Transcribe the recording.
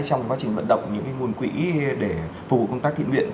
trong quá trình vận động những nguồn quỹ để phù hợp công tác thiện viện